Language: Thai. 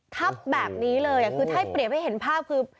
ทับแบบนี้เลยคือถ้าให้เปรียบให้เห็นภาพคือ